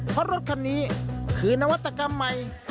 เพราะรถคันนี้คือนวัตกรรมใหม่